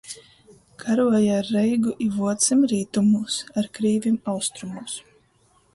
Karuoja ar Reigu i vuocym rītumūs, ar krīvim austrumūs...